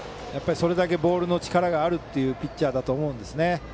それだけボールの力があるピッチャーだと思うんですね。